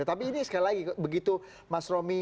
tapi ini sekali lagi begitu mas romi